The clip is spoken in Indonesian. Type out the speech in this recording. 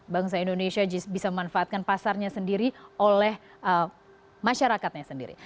bangsa indonesia bisa memanfaatkan pasarnya sendiri oleh masyarakatnya sendiri